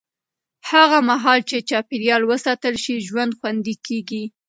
هغه مهال چې چاپېریال وساتل شي، ژوند خوندي کېږي.